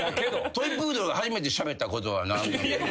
トイ・プードルが初めてしゃべった言葉は何なの？